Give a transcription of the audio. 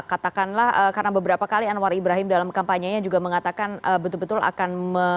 katakanlah karena beberapa kali anwar ibrahim dalam kampanyenya juga mengatakan betul betul akan